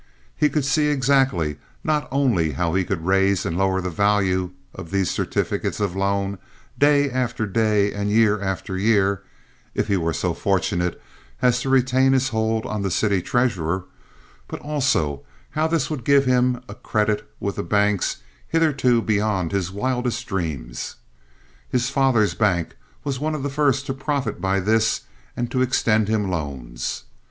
He could see exactly not only how he could raise and lower the value of these certificates of loan, day after day and year after year—if he were so fortunate as to retain his hold on the city treasurer—but also how this would give him a credit with the banks hitherto beyond his wildest dreams. His father's bank was one of the first to profit by this and to extend him loans.